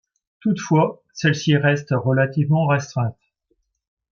Toutefois, celle-ci reste relativement restreinte.